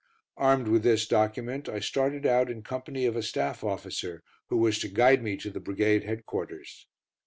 Armed with this document, I started out in company of a staff officer, who was to guide me to the Brigade headquarters.